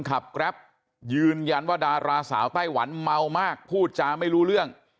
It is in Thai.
แกรปยืนยันว่าดาราสาวไต้หวันเมามากพูดจาไม่รู้เรื่อง